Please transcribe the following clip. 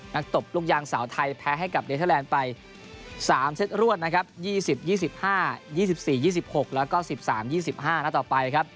ตบลูกยางสาวไทยแพ้ให้กับเนเทอร์แลนด์ไป๓เซตรวดนะครับ๒๐๒๕๒๔๒๖แล้วก็๑๓๒๕นัดต่อไปครับ